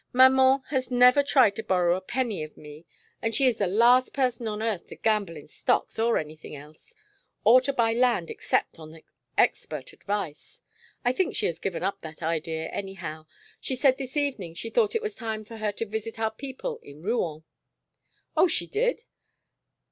Maman has never tried to borrow a penny of me, and she is the last person on earth to gamble in stocks or any thing else. Or to buy land except on expert advice. I think she has given up that idea, anyhow. She said this evening she thought it was time for her to visit our people in Rouen." "Oh, she did!